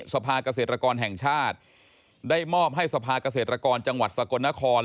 สภาเกษตรกรแห่งชาติได้มอบให้สภาเกษตรกรจังหวัดสกลนคร